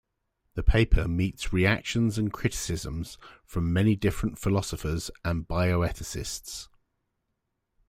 The paper meets reactions and criticisms from many different philosophers and bioethicists.